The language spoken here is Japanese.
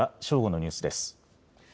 正午のニュースです。